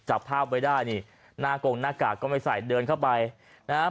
จับภาพไว้ได้นี่หน้ากงหน้ากากก็ไม่ใส่เดินเข้าไปนะฮะ